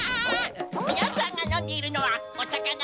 みなチャんがのんでいるのはお茶かな？